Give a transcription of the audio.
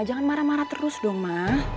jangan marah marah terus dong malah